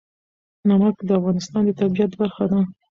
نمک د افغانستان د طبیعت برخه ده.